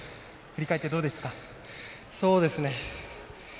振り返って、どうですか？